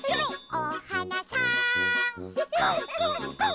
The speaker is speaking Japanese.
「おはなさんくん！